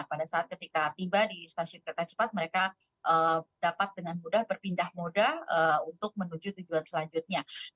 pada saat ketika tiba di stasiun kereta cepat mereka dapat dengan mudah berpindah moda untuk menuju tujuan selanjutnya